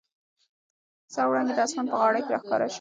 د سهار وړانګې د اسمان په غاړه کې را ښکاره شوې.